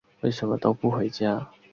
为什么都不回家？